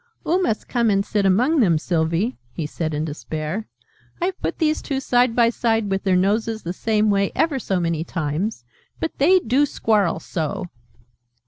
"Oo must come and sit among them, Sylvie," he said in despair, "I've put these two side by side, with their noses the same way, ever so many times, but they do squarrel so!"